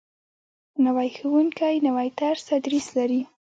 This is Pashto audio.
نوی ښوونکی نوی طرز تدریس لري